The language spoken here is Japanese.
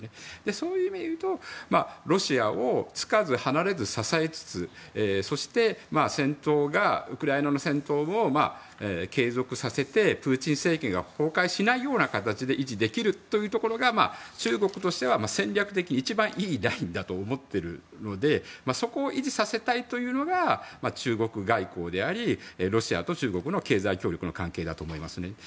そういう意味でいうとロシアをつかず、離れず支えつつそしてウクライナの戦闘を継続させてプーチン政権が崩壊しない形で維持できるというところが中国としては戦略的に一番いいラインだと思っているのでそこを維持させたいというのが中国外交でありロシアと中国の経済協力の関係だと思いますね。